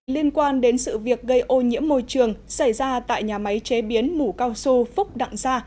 liên quan đến sự việc gây ô nhiễm môi trường xảy ra tại nhà máy chế biến mủ cao su phúc đặng gia